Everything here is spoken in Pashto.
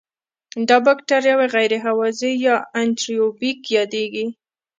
دا بکټریاوې غیر هوازی یا انئیروبیک یادیږي.